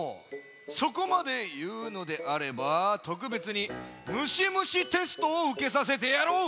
そこまでいうのであればとくべつに「むしむしテスト」をうけさせてやろう！